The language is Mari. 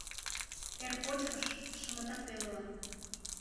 Эр кочкыш — шымытат пелылан.